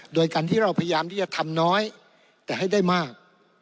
โดยการที่เราพยายามที่จะทำน้อยแต่ให้ได้มาก